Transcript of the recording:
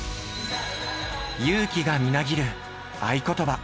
勇気がみなぎる愛ことば。